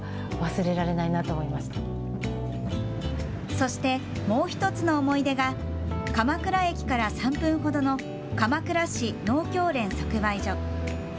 そして、もう１つの思い出が鎌倉駅から３分ほどの鎌倉市農協連即売所。